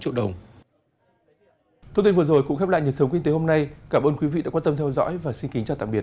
thông tin vừa rồi cũng khép lại nhật sống kinh tế hôm nay cảm ơn quý vị đã quan tâm theo dõi và xin kính chào tạm biệt